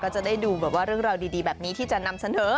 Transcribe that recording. ก็จะได้ดูเรื่องราวดีแบบนี้ที่จะนำเสนอ